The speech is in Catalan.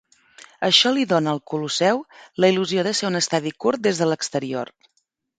Això li dona al Colosseu la il·lusió de ser un estadi curt des de l'exterior.